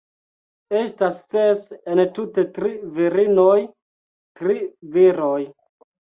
Estas ses entute tri virinoj, tri viroj